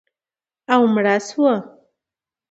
او مړه شوه